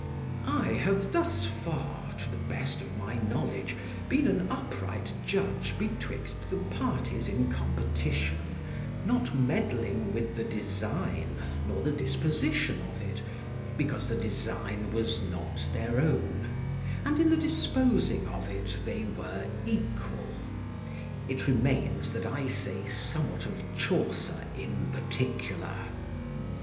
I have thus far, to the best of my knowledge, been an upright judge betwixt the parties in competition, not meddling with the design nor the disposition of it; because the design was not their own, and in the disposing of it they were equal. It remains that I say somewhat of Chaucer in particular.